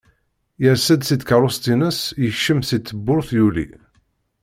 Yers-d si tkerrust-ines yekcem si tewwurt, yuli.